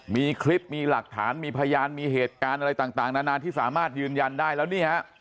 มีคลิปมีหลักฐานมีพยานมีเหตุการณ์อะไรต่างนานาที่สามารถยืนยันได้แล้วนี่ฮะ